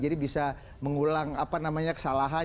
jadi bisa mengulang apa namanya kesalahan